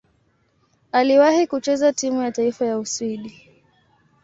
Aliwahi kucheza timu ya taifa ya Uswidi.